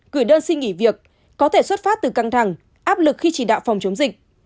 gửi đơn xin nghỉ việc có thể xuất phát từ căng thẳng áp lực khi chỉ đạo phòng chống dịch